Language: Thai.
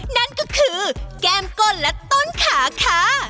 นั่นก็คือแก้มก้นและต้นขาค่ะ